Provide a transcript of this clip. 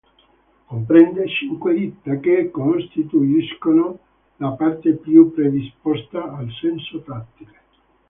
Comprende cinque dita, che costituiscono la parte più predisposta al senso tattile.